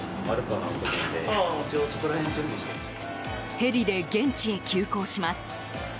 ヘリで現地へ急行します。